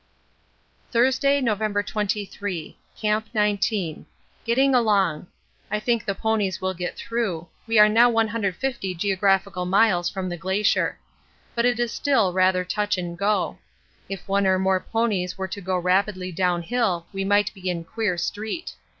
Thursday, November 23. Camp 19. Getting along. I think the ponies will get through; we are now 150 geographical miles from the Glacier. But it is still rather touch and go. If one or more ponies were to go rapidly down hill we might be in queer street.